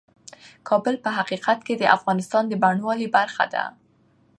کابل په حقیقت کې د افغانستان د بڼوالۍ برخه ده.